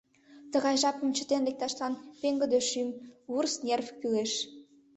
Тыгай жапым чытен лекташлан пеҥгыде шӱм, вурс нерв кӱлеш.